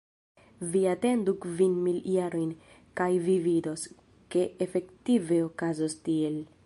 Vi atendu kvin mil jarojn, kaj vi vidos, ke efektive okazos tiel.